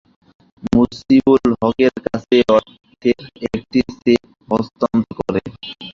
মুজিবুল হকের কাছে এই অর্থের একটি চেক হস্তান্তর করে।